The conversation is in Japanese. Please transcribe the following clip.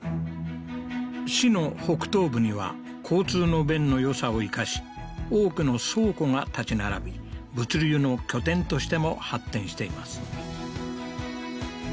市の北東部には交通の便の良さを生かし多くの倉庫が建ち並び物流の拠点としても発展しています